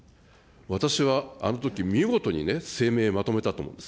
私はあのとき、見事に声明、まとめたと思うんです。